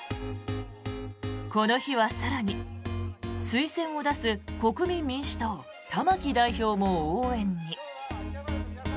この日は更に、推薦を出す国民民主党、玉木代表も応援に。